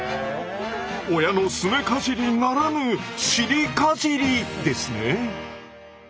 親のすねかじりならぬ「尻かじり」ですね。